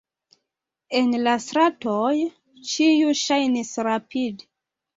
En la stratoj ĉiu ŝajnis rapid.